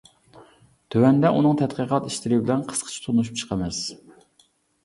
تۆۋەندە ئۇنىڭ تەتقىقات ئىشلىرى بىلەن قىسقىچە تونۇشۇپ چىقىمىز.